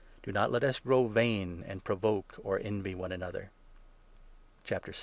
Do not let us grow vain, and provoke or 26 envy one another.